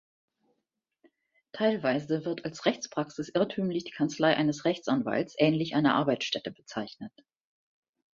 Teilweise wird als Rechtspraxis irrtümlich die Kanzlei eines Rechtsanwalts ähnlich einer Arbeitsstätte bezeichnet.